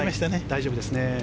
大丈夫ですね。